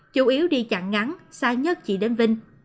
chủ yếu đi chặn ngắn xa nhất chỉ đến vinh